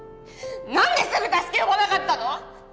何ですぐ助け呼ばなかったの！？